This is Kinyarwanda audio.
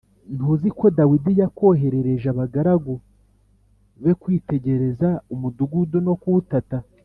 Ntuzi ko Dawidi yakoherereje abagaragu be kwitegereza umudugudu no kuwutata